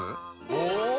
お！